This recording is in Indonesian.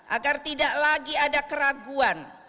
agar tidak lagi ada keraguan